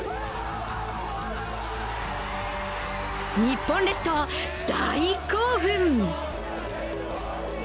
日本列島、大興奮。